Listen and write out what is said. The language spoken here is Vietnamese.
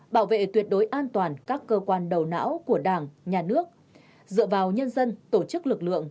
bảo vệ tuyệt đối an toàn các cơ quan đầu não của đảng nhà nước dựa vào nhân dân tổ chức lực lượng